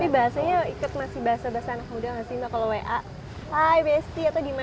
tapi bahasanya ikut masih bahasa bahasa anak muda gak sih mbak